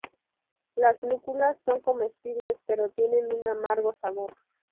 Las núculas son comestibles pero tienen un amargo sabor.